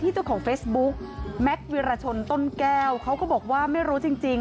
เจ้าของเฟซบุ๊กแม็กซ์วิรชนต้นแก้วเขาก็บอกว่าไม่รู้จริงจริง